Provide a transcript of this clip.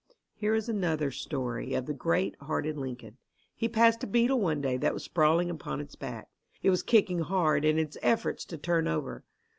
Here is another story of the great hearted Lincoln. He passed a beetle one day that was sprawling upon its back. It was kicking hard in its efforts to turn over.